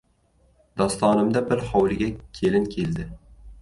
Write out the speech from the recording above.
Dostonimda bir hovliga kelin keldi.